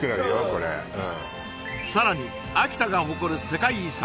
これさらに秋田が誇る世界遺産